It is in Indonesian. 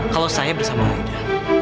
kalau saya bersama aida